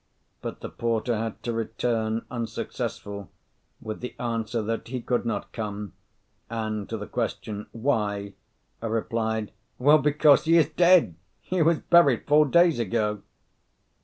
But the porter had to return unsuccessful, with the answer that he could not come; and to the question, "Why?" replied, "Well, because he is dead! he was buried four days ago."